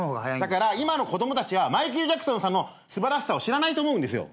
だから今の子供たちはマイケル・ジャクソンさんの素晴らしさを知らないと思うんですよ。